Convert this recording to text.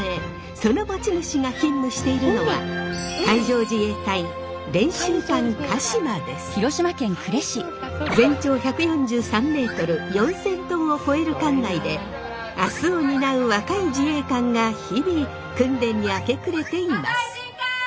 その持ち主が勤務しているのは全長１４３ｍ４，０００トンを超える艦内で明日を担う若い自衛官が日々訓練に明け暮れています。